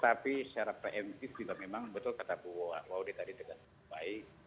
tapi secara preventif memang betul kata bu waudit tadi dengan baik